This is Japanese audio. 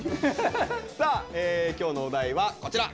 さあ今日のお題はこちら。